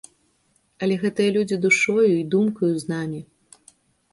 Але гэтыя людзі душою і думкаю з намі.